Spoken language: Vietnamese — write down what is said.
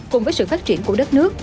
cùng với sự phát triển của đất nước